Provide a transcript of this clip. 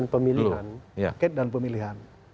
paket dan pemilihan